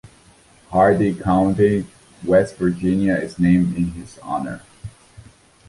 Hardy County, West Virginia is named in his honor.